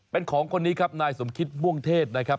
เป็นของคนนี้ครับนายสมคิตม่วงเทศนะครับ